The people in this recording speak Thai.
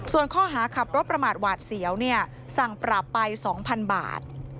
ส่วนข้อหาขับรถประมาทหวาดเสียวสั่งปรับไป๒๐๐๐บาท